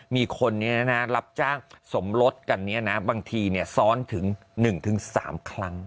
มีคนนี้นะรับจ้างสมรสกันเนี่ยนะบางทีซ้อนถึงหนึ่งถึงสามครั้ง